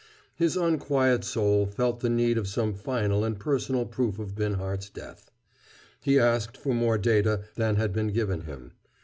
His unquiet soul felt the need of some final and personal proof of Binhart's death. He asked for more data than had been given him.